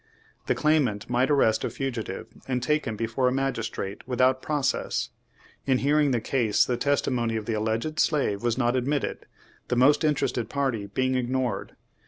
The claimant might arrest a fugitive and take him before a magistrate without process. In hearing the case the testi mony of the alleged slave was not admitted, the most interested party being ignored.